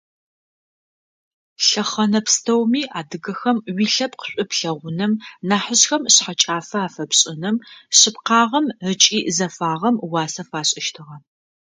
Лъэхъэнэ пстэуми адыгэхэм уилъэпкъ шӏу плъэгъуным нахьыжъхэм шъхьэкӏафэ афэпшӏыным, шъыпкъагъэм ыкӏи зэфагъэм уасэ фашӏыщтыгъэ.